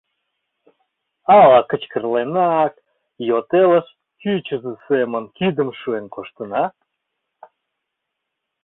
Ала, кычкырленак, йот элыш кӱчызӧ семын кидым шуен коштына?